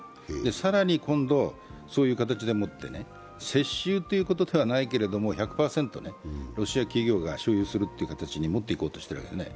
更に今度そういう形で接収ということではないけれど１００％ロシア企業が所有する形に持っていこうとしているわけですね。